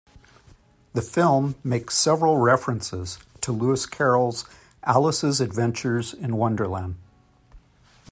The film makes several references to Lewis Carroll's "Alice's Adventures in Wonderland".